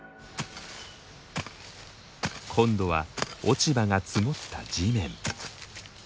今度は落ち葉が積もった地面。